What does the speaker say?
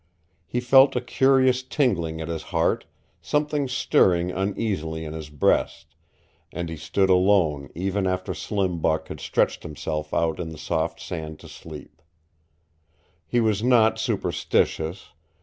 He felt a curious tingling at his heart, something stirring uneasily in his breast, and he stood alone even after Slim Buck had stretched himself out in the soft sand to sleep. He was not superstitious.